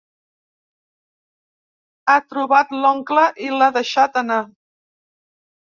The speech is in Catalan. Ha trobat l'oncle i l'ha deixat anar.